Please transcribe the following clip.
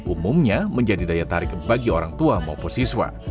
umumnya menjadi daya tarik bagi orang tua maupun siswa